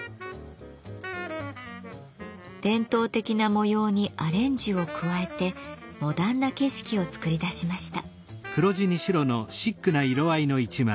伝統的な模様にアレンジを加えてモダンな景色を作り出しました。